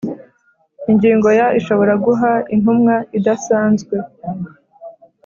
Ngingo ya ishobora guha intumwa idasanzwe